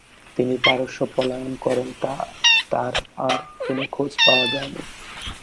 তিনি পারস্য পলায়ন করেন তার আর কোনো খোঁজ পাওয়া যায়নি।